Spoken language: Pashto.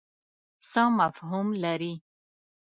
څه مفهوم لري.